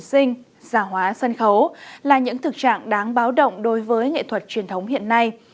giả hóa sân khấu là những thực trạng đáng báo động đối với nghệ thuật truyền thống hiện nay